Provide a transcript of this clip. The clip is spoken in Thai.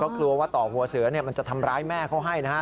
กลัวว่าต่อหัวเสือมันจะทำร้ายแม่เขาให้นะฮะ